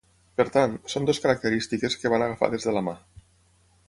Per tant, són dues característiques que van agafades de la mà.